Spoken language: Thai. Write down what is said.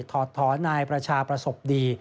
ถอดถอนนายประชาประสบดี